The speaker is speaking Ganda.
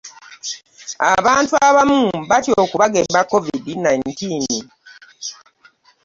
Abantu abamu batya okubagema covid nineteen.